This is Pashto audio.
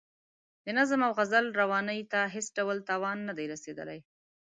د نظم او غزل روانۍ ته هېڅ ډول تاوان نه دی رسیدلی.